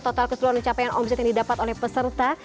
total keseluruhan pencapaian omzet yang didapat oleh peserta